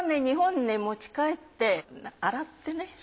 日本に持ち帰って洗ってね。